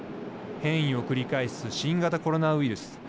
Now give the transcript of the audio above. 変異を繰り返す新型コロナウイルス。